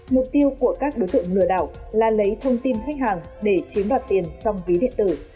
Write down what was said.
mục tiêu của các đối tượng lừa đảo là lấy thông tin khách hàng để chiếm đoạt tiền trong ví điện tử